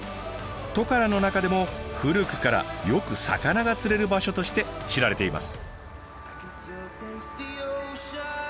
トカラの中でも古くからよく魚が釣れる場所として知られています。